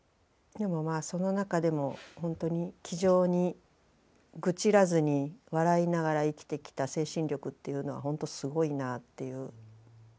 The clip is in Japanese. でもまあその中でもほんとに気丈に愚痴らずに笑いながら生きてきた精神力っていうのはほんとすごいなっていう。